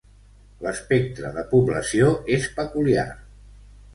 L'espectre de població és peculiar.